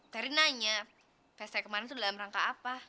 pasti tanya peste kemarin tuh dalam rangka apa